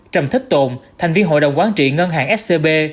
trầm thích tồn thành viên hội đồng quán trị ngân hàng scb